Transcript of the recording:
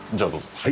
はい。